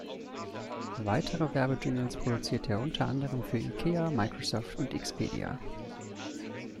Weitere Werbejingles produzierte er unter anderem für Ikea, Microsoft und Expedia.